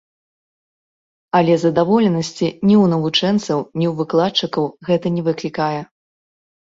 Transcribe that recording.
Але задаволенасці ні ў навучэнцаў, ні ў выкладчыкаў гэта не выклікае.